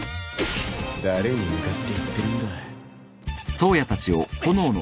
誰に向かって言ってるんだ。